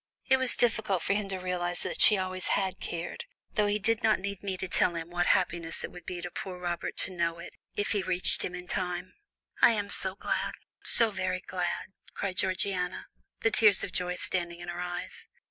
It was difficult for him to realize that she always had cared, though he did not need me to tell him what happiness it would be to poor Robert to know it, if he reached him in time." "I am so glad, so very glad," cried Georgiana, the tears of joy standing in her eyes.